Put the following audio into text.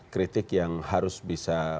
kritik yang harus bisa